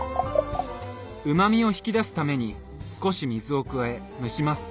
うまみを引き出すために少し水を加え蒸します。